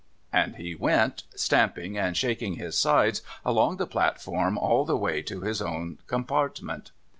' And so he went, stamping and shaking his sides, along the platform all the way to his own compartment.